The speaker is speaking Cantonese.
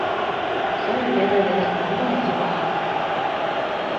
所有嘢對你嚟講都係笑話